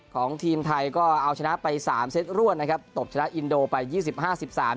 ของทีมไทยก็เอาชนะไปสามเซตร่วนนะครับตบชนะอินโดไปยี่สิบห้าสิบสาม